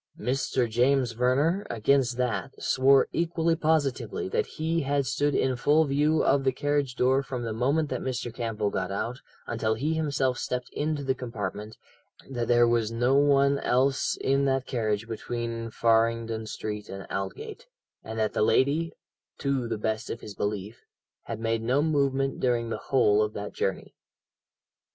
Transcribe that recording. "Mr. James Verner, against that, swore equally positively that he had stood in full view of the carriage door from the moment that Mr. Campbell got out until he himself stepped into the compartment, that there was no one else in that carriage between Farringdon Street and Aldgate, and that the lady, to the best of his belief, had made no movement during the whole of that journey.